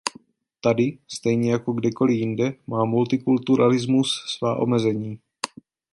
Tady, stejně jak kdekoli jinde, má multikulturalismus svá omezení.